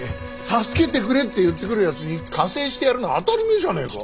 助けてくれって言ってくるやつに加勢してやるのは当たり前じゃねえか。